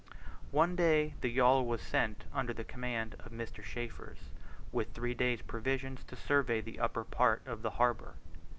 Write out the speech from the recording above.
One day the yawl was sent under the command of Mr. Chaffers with three days' provisions to survey the upper part of the harbour.